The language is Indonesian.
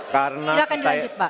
silahkan dilanjut pak